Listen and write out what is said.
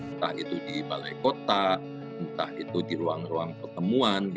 entah itu di balai kota entah itu di ruang ruang pertemuan